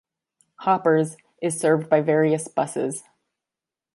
Hoppers is served by various buses.